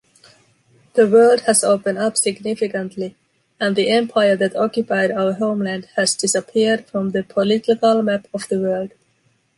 The world has open up significantly and the empire that occupied our homeland has disappeared from the political map of the world.